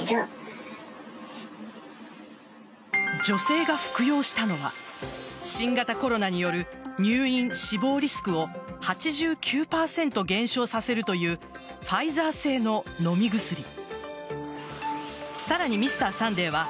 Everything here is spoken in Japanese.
女性が服用したのは新型コロナによる入院死亡リスクを８９％減少させるというファイザー製の飲み薬。